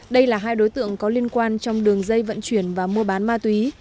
đây là hai đối tượng có liên quan trong đường dây vận chuyển và mua bán ma túy